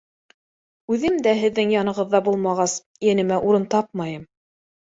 Үҙем дә һеҙҙең янығыҙҙа булмағас, йәнемә урын тапмайым.